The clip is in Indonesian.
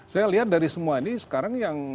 saya lihat dari semua ini sekarang yang